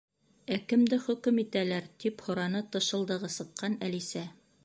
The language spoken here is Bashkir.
—Ә кемде хөкөм итәләр? —тип һораны тышылдығы сыҡҡан Әлисә.